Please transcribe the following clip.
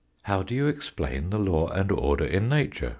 " How do you explain the law and order in nature